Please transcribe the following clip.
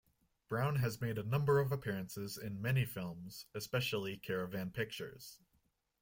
Brown has made a number of appearances in many films especially Caravan Pictures.